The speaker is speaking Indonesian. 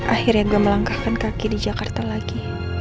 akhirnya gak melangkahkan kaki di jakarta lagi